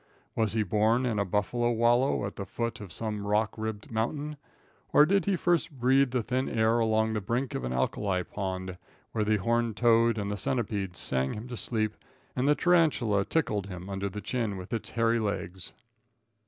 Was he born in a buffalo wallow at the foot of some rock ribbed mountain, or did he first breathe the thin air along the brink of an alkali pond, where the horned toad and the centipede sang him to sleep, and the tarantula tickled him under the chin with its hairy legs?